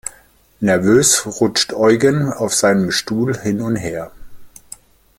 Nervös rutscht Eugen auf seinem Stuhl hin und her.